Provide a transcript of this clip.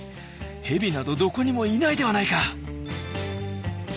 蛇などどこにもいないではないか！」。